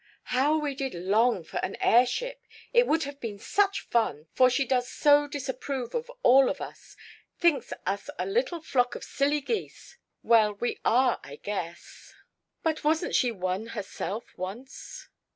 "How we did long for an airship. It would have been such fun, for she does so disapprove of all of us; thinks us a little flock of silly geese. Well, we are, I guess, but wasn't she one herself once?